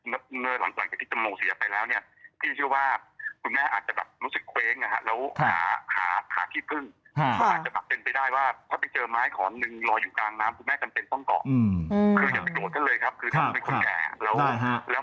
และมันคือบริบทของความเข้าใจได้